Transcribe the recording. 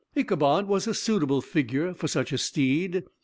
Ichabod was a suitable figure for such a steed.